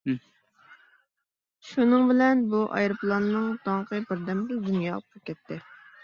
شۇنىڭ بىلەن بۇ ئايروپىلاننىڭ داڭقى بىردەمدىلا دۇنياغا پۇر كەتتى.